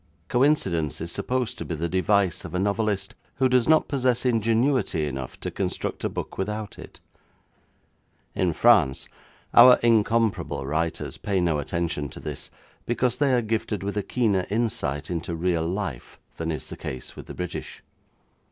Coincidence is supposed to be the device of a novelist who does not possess ingenuity enough to construct a book without it. In France our incomparable writers pay no attention to this, because they are gifted with a keener insight into real life than is the case with the British.